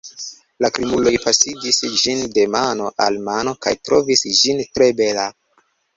La krimuloj pasigis ĝin de mano al mano, kaj trovis ĝin tre bela.